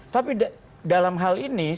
tapi dalam hal ini